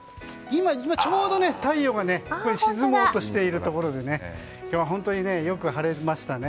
今、ちょうど太陽が沈もうとしているところで今日は本当によく晴れましたね。